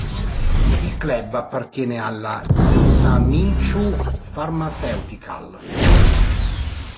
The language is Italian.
Il club appartiene alla Hisamitsu Pharmaceutical.